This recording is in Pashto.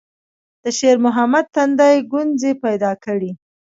د شېرمحمد تندي ګونځې پيدا کړې.